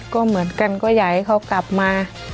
ก็เหมือนกันก็อยากให้เขากลับมา